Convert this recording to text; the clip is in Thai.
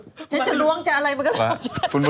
ท่านจะล้วงจะอะไรมันก็หล่อฉัน